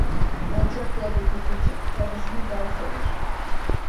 Alçak yerde tepecik kendisini dağ sanır.